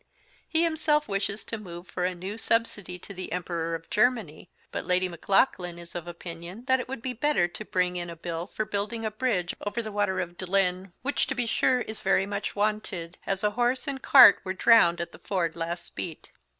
He himself wishes to move for a New Subsidy to the Emperor of Germany; but Lady Maclaughlan is of opinion that it would be better to Bring in a Bill for Building a bridge over the Water of Dlin; which, to be sure, is very much wanted, as a Horse and Cart were drowned at the Ford last Speat.